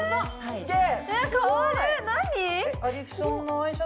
すげえ！